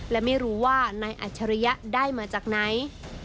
และไม่รู้ว่านายอัจฉริยะได้มาจากไหน